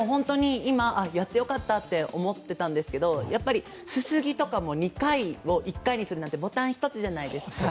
今、やってよかったと思ってたんですけど、すすぎとかも２回を１回にするなんてボタン一つじゃないですか。